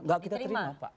enggak kita terima pak